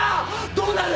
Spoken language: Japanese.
どうなる？